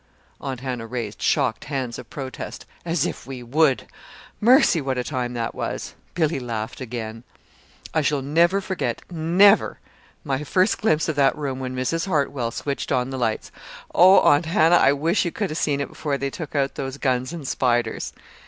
Aunt Hannah raised shocked hands of protest. "As if we would! Mercy, what a time that was!" Billy laughed again. "I never shall forget, never, my first glimpse of that room when Mrs. Hartwell switched on the lights. Oh, Aunt Hannah, I wish you could have seen it before they took out those guns and spiders!"